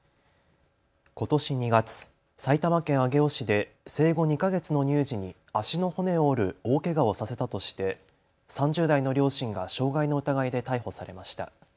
ことし２月、埼玉県上尾市で生後２か月の乳児に足の骨を折る大けがをさせたとして３０代の両親が傷害の疑いで逮捕されました。